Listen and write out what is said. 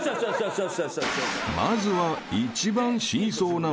［まずは］